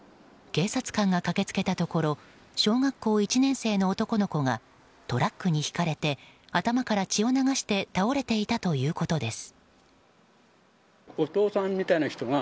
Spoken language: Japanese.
警察官が駆け付けたところ小学校１年生の男の子がトラックにひかれて頭から血を流して倒れていたということです。